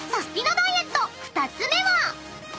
ダイエット２つ目は］